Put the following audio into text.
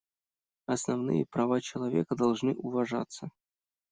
Основные права человека должны уважаться.